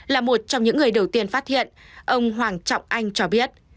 là một trong những người đầu tiên phát hiện ông hoàng trọng anh cho biết